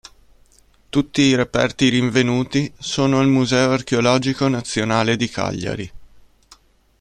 Tutti i reperti rinvenuti sono al Museo archeologico nazionale di Cagliari.